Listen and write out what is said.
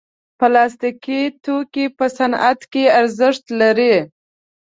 پلاستيکي توکي په صنعت کې ارزښت لري.